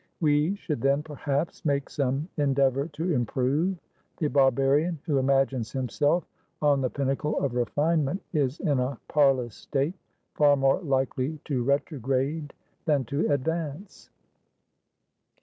We should then, perhaps, make some endeavour to improve. The barbarian who imagines himself on the pinnacle of refinement is in a parlous statefar more likely to retrograde than to advance."